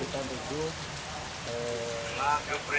tidak tidak bisa